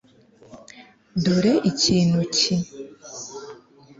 Dore ikintu ki